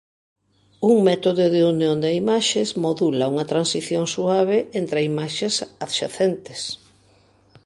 Un método de unión de imaxes modula unha transición suave entre imaxes adxacentes.